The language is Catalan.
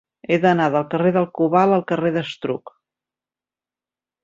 He d'anar del carrer del Cobalt al carrer d'Estruc.